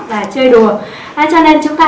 và chơi đùa cho nên chúng ta